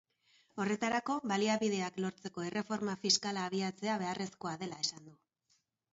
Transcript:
Horretarako, baliabideak lortzeko erreforma fiskala abiatzea beharrezkoa dela esan du.